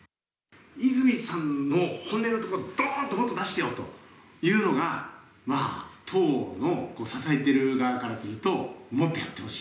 泉さんの本音のところ、どーんともっと出してよというのが、まあ、党の支えてる側からすると、もっとやってほしい。